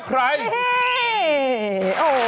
หมอกิตติวัตรว่ายังไงบ้างมาเป็นผู้ทานที่นี่แล้วอยากรู้สึกยังไงบ้าง